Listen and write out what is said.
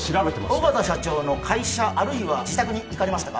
緒方社長の会社あるいは自宅に行かれましたか？